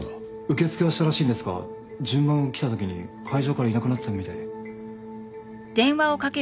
受け付けはしたらしいんですが順番が来たときに会場からいなくなってたみたいで。